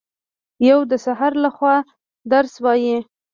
یو د سحر لخوا درس وايي